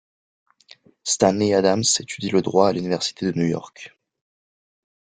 Stanley Adams étudie le droit à l’Université de New York.